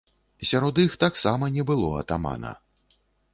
Сярод іх таксама не было атамана.